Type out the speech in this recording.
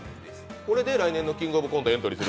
これで来年の「キングオブコント」にエントリーする？